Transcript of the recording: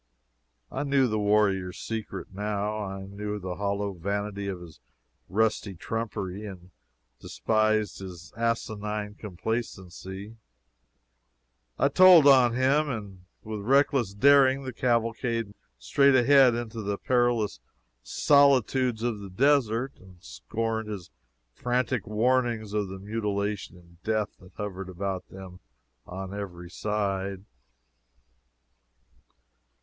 I knew the warrior's secret now; I knew the hollow vanity of his rusty trumpery, and despised his asinine complacency. I told on him, and with reckless daring the cavalcade rode straight ahead into the perilous solitudes of the desert, and scorned his frantic warnings of the mutilation and death that hovered about them on every side.